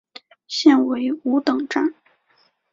现为五等站。